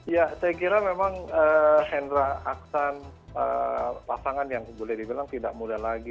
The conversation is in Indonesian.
ya saya kira memang hendra aksan pasangan yang boleh dibilang tidak muda lagi